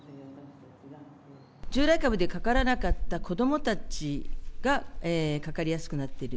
従来株でかからなかった子どもたちがかかりやすくなっている。